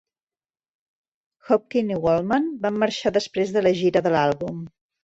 Hopkin i Waldman van marxar després de la gira de l'àlbum.